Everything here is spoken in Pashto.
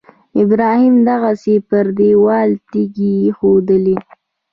ابراهیم دغسې پر دېوال تیږې ایښودلې.